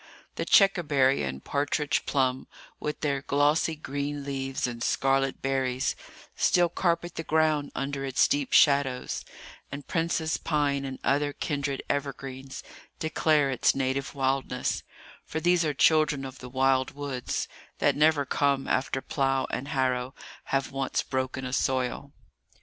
The checkerberry and partridge plum, with their glossy green leaves and scarlet berries, still carpet the ground under its deep shadows; and prince's pine and other kindred evergreens declare its native wildness,—for these are children of the wild woods, that never come after plough and harrow have once broken a soil.